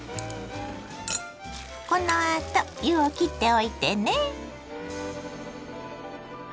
このあと湯をきっておいてね。